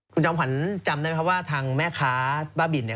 คุณจอมขวัญจำได้ไหมครับว่าทางแม่ค้าบ้าบินเนี่ย